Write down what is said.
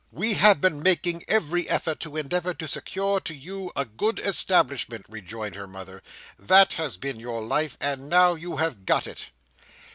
"We have been making every effort to endeavour to secure to you a good establishment," rejoined her mother. "That has been your life. And now you have got it."